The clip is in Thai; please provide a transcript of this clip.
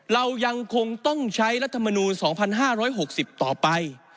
เรายังคงต้องใช้รัฐมนูล๒๕๖๐ต่อไป